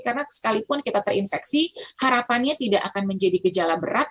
karena sekalipun kita terinfeksi harapannya tidak akan menjadi gejala berat